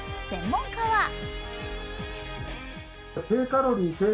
専門家は